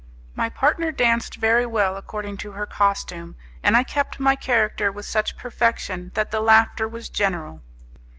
My partner danced very well according to her costume, and I kept my character with such perfection that the laughter was general.